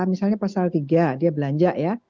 misalnya pasal tiga dia belanja ya